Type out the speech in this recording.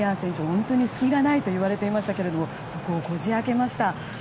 本当に隙がないといわれていましたがそこをこじ開けました。